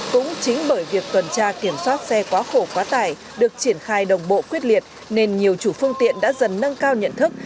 cũng chính bởi việc tuần tra kiểm soát xe quá khổ quá tải được triển khai đồng bộ quyết liệt nên nhiều chủ phương tiện đã dần nâng cao nhận thức